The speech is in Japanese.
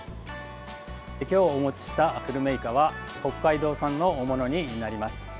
今日お持ちしたスルメイカは北海道産のものになります。